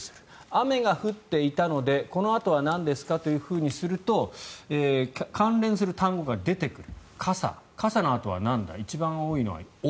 雨が降っていたのでこのあとはなんですかとすると関連する単語が出てくる傘、傘のあとはなんだ一番多いのは「を」。